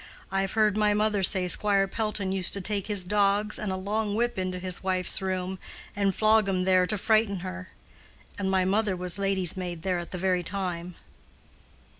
I've heard my mother say Squire Pelton used to take his dogs and a long whip into his wife's room, and flog 'em there to frighten her; and my mother was lady's maid there at the very time."